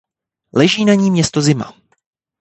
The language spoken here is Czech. Leží na ní město Zima.